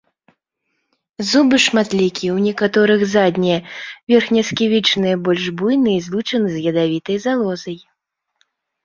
Зубы шматлікія, у некаторых заднія верхнясківічныя больш буйныя і злучаны з ядавітай залозай.